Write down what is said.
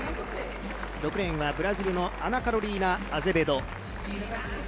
６レーンはブラジルのアナ・カロリーナ・アゼベド。